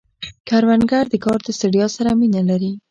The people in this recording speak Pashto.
کروندګر د کار د ستړیا سره مینه لري